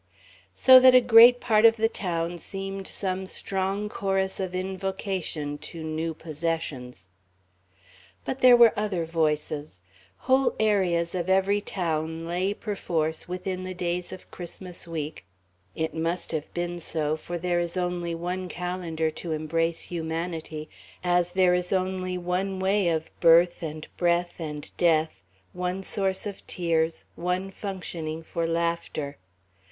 So that a great part of the town seemed some strong chorus of invocation to new possessions. But there were other voices. Whole areas of every town lay, perforce, within the days of Christmas Week it must have been so, for there is only one calendar to embrace humanity, as there is only one way of birth and breath and death, one source of tears, one functioning for laughter.